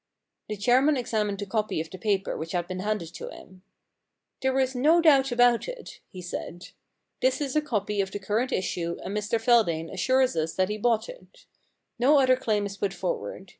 The chairman examined the copy of the paper which had been handed to him. * There is no doubt about it/ he said. * This is a copy of the current issue, and Mr Feldane assures us that he bought it. No other claim is put forward.